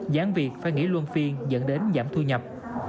giảm việc phải nghỉ luôn phiên dẫn đến giảm thu nhập